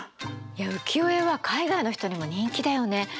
いや浮世絵は海外の人にも人気だよね。